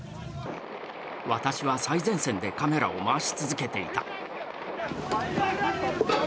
私は最前線でカメラを回し続けていた。